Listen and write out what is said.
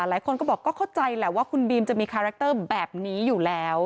หลายคนก็บอกก็เข้าใจแหละว่าคุณบีมจะมีคาแรคเตอร์แบบนี้อยู่แล้ว